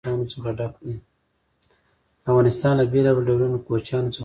افغانستان له بېلابېلو ډولونو کوچیانو څخه ډک دی.